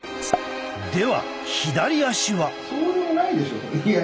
では左足は？